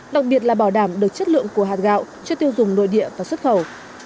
đặc biệt là bảo đảm được chất lượng của hạt gạo cho tiêu dùng nội địa và xuất khẩu